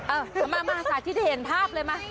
เออมาสาธิตเห็นภาพเลยมา